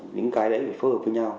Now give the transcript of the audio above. những cái đấy phải phù hợp với nhau